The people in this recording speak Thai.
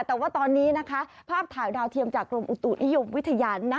แต่ว่าตอนนี้นะคะภาพถ่ายดาวเทียมจากกรมอุตุนิยมวิทยานะ